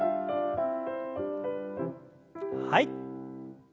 はい。